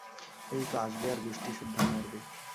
এইতো, আসবে আর গুষ্টিসুদ্ধা মরবে।